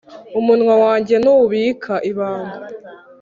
umunwa wanjye ntubika ibanga.